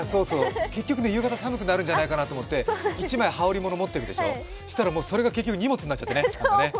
結局ね、夕方寒くなるんじゃないかなとか思って１枚羽織り物持っていくでしょ、そしたらそれが荷物になってね。